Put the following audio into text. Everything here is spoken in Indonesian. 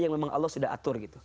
yang memang allah sudah atur gitu